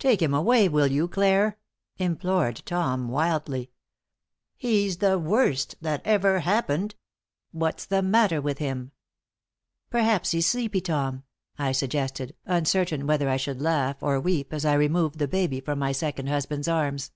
"Take him away, will you, Clare?" implored Tom, wildly. "He's the worst that ever happened. What's the matter with him?" "Perhaps he's sleepy, Tom," I suggested, uncertain whether I should laugh or weep, as I removed the baby from my second husband's arms.